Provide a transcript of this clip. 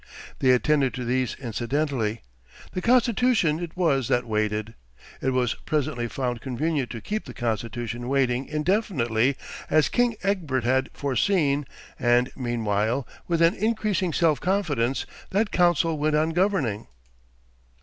They attended to these incidentally. The constitution it was that waited. It was presently found convenient to keep the constitution waiting indefinitely as King Egbert had foreseen, and meanwhile, with an increasing self confidence, that council went on governing....